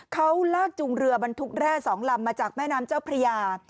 เขาลากจุงเรือบรรทุกแร่สองลำมาจากแม่น้ำเจ้าพระยา